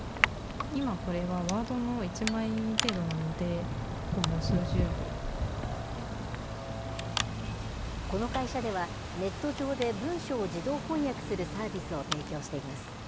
今これはワードの１枚程度なので、この会社では、ネット上で文書を自動翻訳するサービスを提供しています。